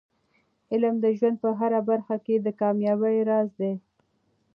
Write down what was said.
علم د ژوند په هره برخه کې د کامیابۍ راز دی.